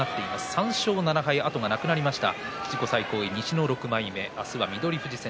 ３勝７敗、後がなくなりました。